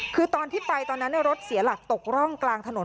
คือตอนที่ไปตอนนั้นรถเสียหลักตกร่องกลางถนน